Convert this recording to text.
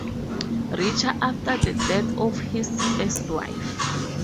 Richer after the death of his first wife.